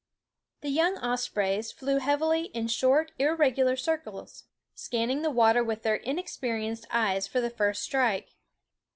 The young ospreys flew heavily in short irregular circles, scanning the water with their inexperienced eyes for their first strike.